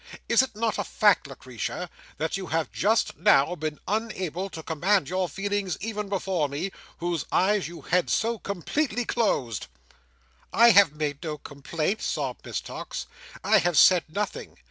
Is it not a fact, Lucretia, that you have just now been unable to command your feelings even before me, whose eyes you had so completely closed?" "I have made no complaint," sobbed Miss Tox. "I have said nothing.